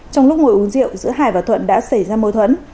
trong lúc ngồi uống rượu giữa hải và thuận đã xảy ra mâu thuẫn